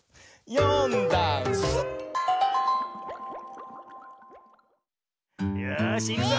「よんだんす」よしいくぞ！